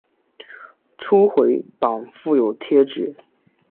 初回版附有贴纸。